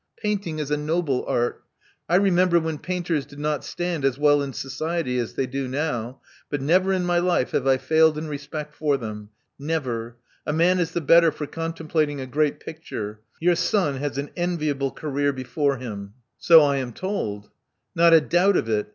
Painting is a noble art. I remember when painters did not stand as well in society as they do now ; but never in my life have I failed in respect for them. Never. A man is the better for contem plating a great picture. Your son has an enviable career before him." Love Among the Artists 247 "So I am told.' Not a doubt of it.